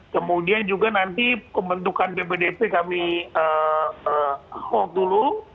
kemudian juga nanti pembentukan ppdp kami hold dulu